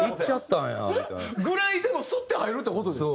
ぐらいでもスッて入るって事ですよ。